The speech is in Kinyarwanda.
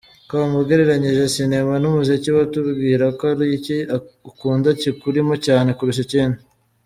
com: ugereranyije sinema n’umuziki, watubwira ko ari iki ukunda kikurimo cyane kurusha ikindi?.